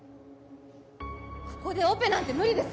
ここでオペなんて無理です！